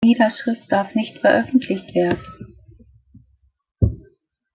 Die Niederschrift darf nicht veröffentlicht werden.